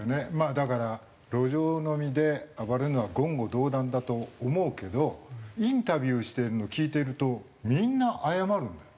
だから路上飲みで暴れるのは言語道断だと思うけどインタビューしてるのを聞いているとみんな謝るんだよ。